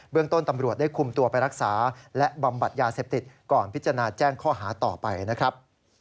ต้นตำรวจได้คุมตัวไปรักษาและบำบัดยาเสพติดก่อนพิจารณาแจ้งข้อหาต่อไปนะครับ